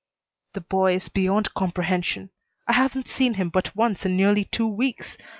"The boy is beyond comprehension. I haven't seen him but once in nearly two weeks.